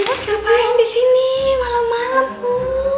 ibu ngapain disini malem malem bu